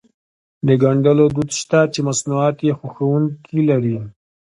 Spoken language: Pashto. د ګنډلو دود شته چې مصنوعات يې خوښوونکي لري.